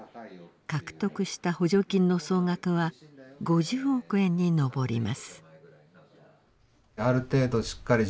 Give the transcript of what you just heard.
獲得した補助金の総額は５０億円に上ります。